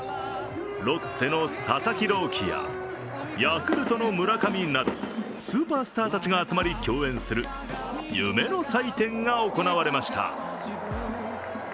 ロッテの佐々木朗希やヤクルトの村上などスーパースターたちが集まり競演する夢の祭典が行われました。